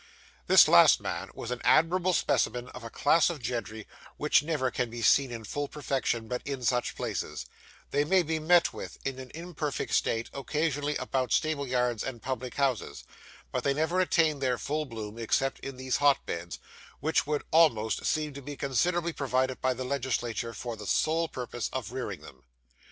This last man was an admirable specimen of a class of gentry which never can be seen in full perfection but in such places they may be met with, in an imperfect state, occasionally about stable yards and Public houses; but they never attain their full bloom except in these hot beds, which would almost seem to be considerately provided by the legislature for the sole purpose of rearing them.